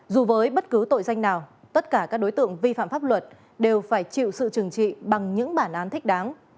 dù với bất cứ tội danh nào tất cả các đối tượng vi phạm pháp luật đều phải chịu sự trừng trị bằng những bản án thích đáng